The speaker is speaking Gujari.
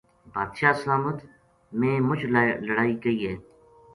بادشاہ سلامت ! میں مچ لڑائی کئی ہے